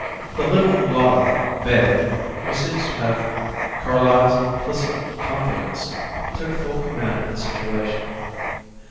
The little mulatto, Babe, who seems to have Carlyle's implicit confidence, took full command of the situation.